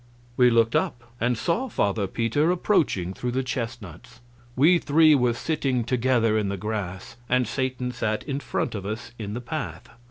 We looked up and saw Father Peter approaching through the chestnuts. We three were sitting together in the grass, and Satan sat in front of us in the path.